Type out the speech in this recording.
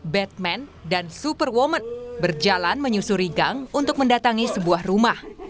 batman dan super women berjalan menyusuri gang untuk mendatangi sebuah rumah